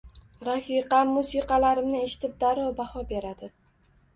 Rafiqam musiqalarimni eshitib, darrov baho beradi.